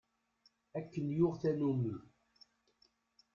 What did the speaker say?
Akken yuɣ tanumi.